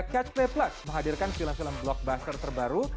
catch play plus menghadirkan film film blockbuster terbaru